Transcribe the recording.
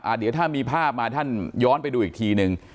เดี๋ยวถ้ามีภาพมาท่านย้อนไปดูอีกทีนึง